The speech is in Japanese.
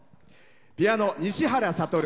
ピアノ、西原悟。